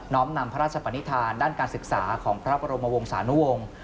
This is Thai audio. ้อมนำพระราชปนิษฐานด้านการศึกษาของพระบรมวงศานุวงศ์